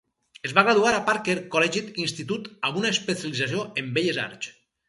Es va graduar a Packer Collegiate Institute amb una especialització en Belles Arts.